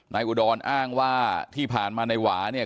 นายอุดรอ้างว่าที่ผ่านมาในหวานี่